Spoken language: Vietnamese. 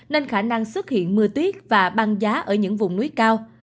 nên khả năng xuất hiện mưa tuyết và băng giá ở những vùng núi cao